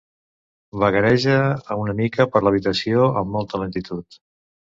Vagareja una mica per l'habitació amb molta lentitud.